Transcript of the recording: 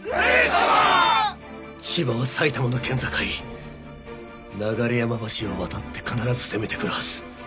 千葉は埼玉の県境流山橋を渡って必ず攻めてくるはず。